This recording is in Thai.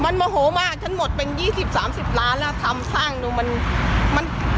มันโมโหมากฉันหมดเป็น๒๐๓๐ล้านแล้วทำสร้างดูมันมัน